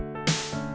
aku mau kasih tau